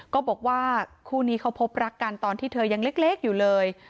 ก็บอกว่าคู่นี้เขาพบรักกันตอนที่เธอยังเล็กอยู่เลย